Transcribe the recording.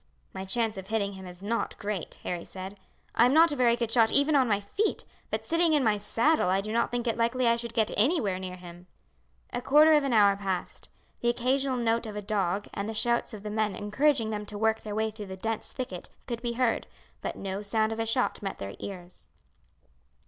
"My chance of hitting him is not great," Harry said. "I am not a very good shot even on my feet; but sitting in my saddle I do not think it likely I should get anywhere near him." A quarter of an hour passed. The occasional note of a dog and the shouts of the men encouraging them to work their way through the dense thicket could be heard, but no sound of a shot met their ears.